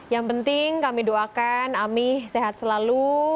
yang penting kami doakan ami sehat selalu